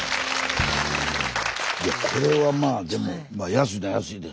これはまあでも安いのは安いです。